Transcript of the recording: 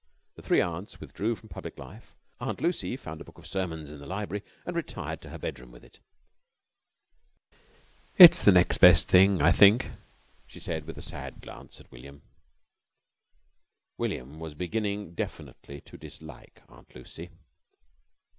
The three aunts withdrew from public life. Aunt Lucy found a book of sermons in the library and retired to her bedroom with it. "It's the next best thing, I think," she said with a sad glance at William. William was beginning definitely to dislike Aunt Lucy.